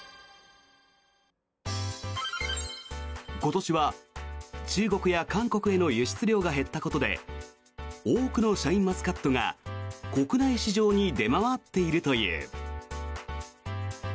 今年は中国や韓国への輸出量が減ったことで多くのシャインマスカットが国内市場に出回っているという。